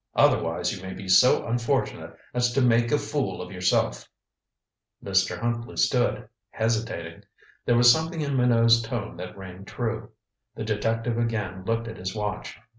Otherwise you may be so unfortunate as to make a fool of yourself." Mr. Huntley stood, hesitating. There was something in Minot's tone that rang true. The detective again looked at his watch.